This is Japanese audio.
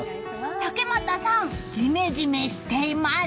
竹俣さん、ジメジメしています！